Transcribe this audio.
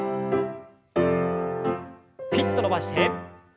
ピッと伸ばして。